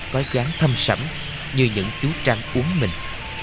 có dáng thâm sẩm như những chú trăng uống mình